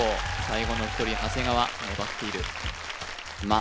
最後の１人長谷川粘っている「ま」